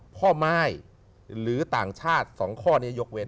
ม่ายหรือต่างชาติ๒ข้อนี้ยกเว้น